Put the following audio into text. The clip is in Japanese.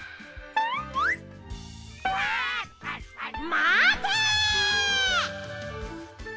まて！